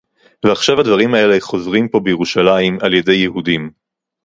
ועכשיו הדברים האלה חוזרים פה בירושלים על-ידי יהודים